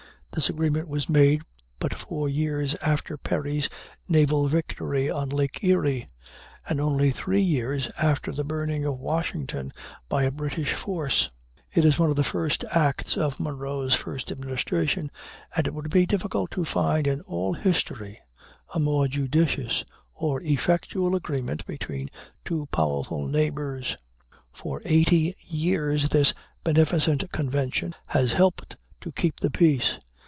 This agreement was made but four years after Perry's naval victory on Lake Erie, and only three years after the burning of Washington by a British force. It was one of the first acts of Monroe's first administration, and it would be difficult to find in all history a more judicious or effectual agreement between two powerful neighbors. For eighty years this beneficent convention has helped to keep the peace.